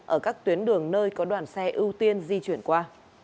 ở các tuyến đường nơi có đoàn xe ưu tiên di chuyển qua